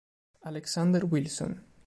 Alexander Wilson